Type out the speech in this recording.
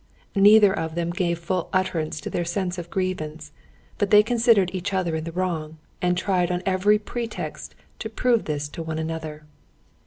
Neither of them gave full utterance to their sense of grievance, but they considered each other in the wrong, and tried on every pretext to prove this to one another.